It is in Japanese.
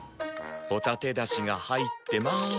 ホタテだしが入ってまーす。